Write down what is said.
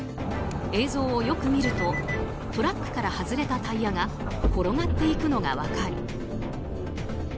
映像をよく見るとトラックから外れたタイヤが転がっていくのが分かる。